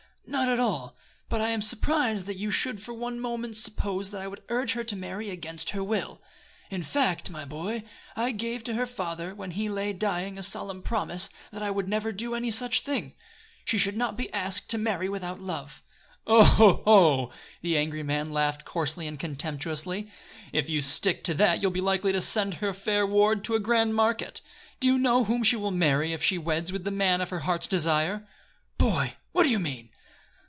"Not at all; but I am surprised that you should for one moment suppose that I would urge her to marry against her will. In fact, my boy, I gave to her father, when he lay dying, a solemn promise that I would never do any such thing. She should not be asked to marry without love." "Oho ho oo!" The angry man laughed coarsely and contemptuously. "If you stick to that you'll be likely to send your fair ward to a grand market! Do you know whom she will marry if she weds with the man of her heart's desire?" "Boy! What do you mean?"